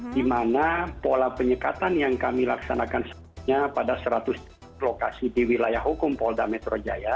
di mana pola penyekatan yang kami laksanakan sebelumnya pada seratus lokasi di wilayah hukum polda metro jaya